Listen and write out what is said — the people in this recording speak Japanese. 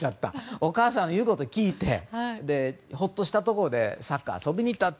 お母さんの言うことを聞いてほっとしたところでサッカーをしに遊びに行ったと。